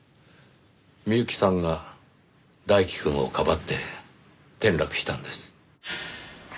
美由紀さんが大樹くんをかばって転落したんです。